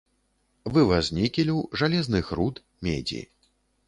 Вываз нікелю, жалезных руд, медзі.